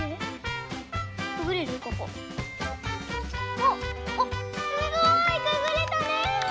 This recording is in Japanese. おっおっすごいくぐれたね！